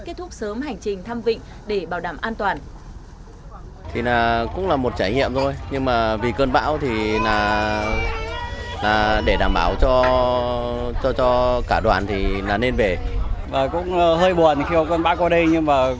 kết thúc sớm hành trình thăm vịnh để bảo đảm an toàn